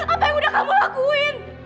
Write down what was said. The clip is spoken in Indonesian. apa yang udah kamu lakuin